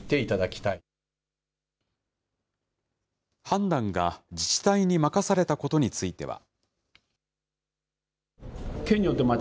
判断が自治体に任されたことについては。